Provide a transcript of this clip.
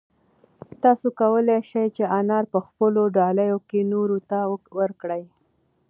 تاسو کولای شئ چې انار په خپلو ډالیو کې نورو ته ورکړئ.